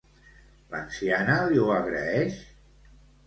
L'anciana li ho agraeix?